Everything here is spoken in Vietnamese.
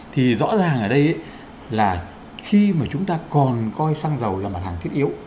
thì rõ ràng ở đây là khi mà chúng ta còn coi xăng dầu là mặt hàng thiết yếu